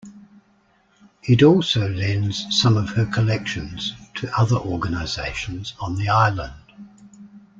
It also lends some of her collections to other organisations on the island.